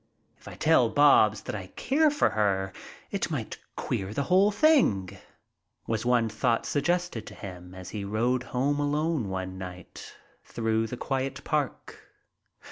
"If I tell Bobs that I care for her, it might queer the whole thing," was one thought suggested to him as he rode home alone one night through the quiet park.